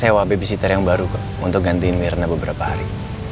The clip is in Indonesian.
sewa babysitter yang baru kok untuk gantiin mirna beberapa hari